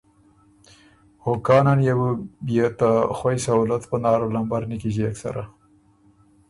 او کانه نيې بُو بيې ته خوئ سهولت پناره لمبر نیکیݫيېک سره۔